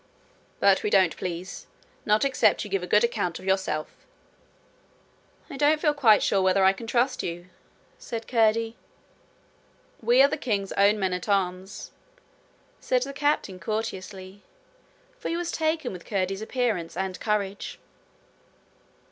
'But we don't please not except you give a good account of yourself.' 'I don't feel quite sure whether I can trust you,' said Curdie. 'We are the king's own men at arms,' said the captain courteously, for he was taken with Curdie's appearance and courage.